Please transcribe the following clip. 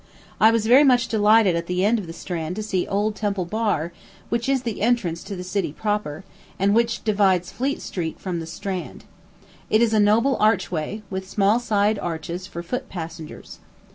I was very much delighted at the end of the Strand to see old Temple Bar, which is the entrance to the city proper, and which divides Fleet Street from the Strand. It is a noble archway, with small side arches for foot passengers.